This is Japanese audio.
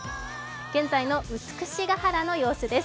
現在の美ヶ原の様子です。